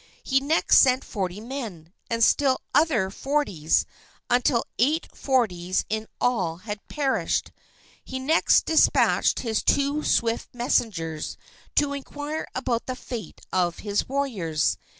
He next sent forty men, and still other forties, until eight forties in all had perished. He next despatched his two swift messengers to inquire about the fate of his warriors.